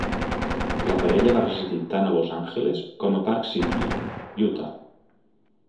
La parella va residir tant a Los Angeles com a Park City, Utah.